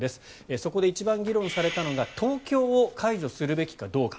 そこで一番議論されたのが東京を解除するべきかどうか。